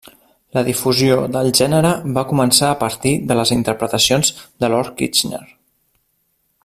La difusió del gènere va començar a partir de les interpretacions de Lord Kitchener.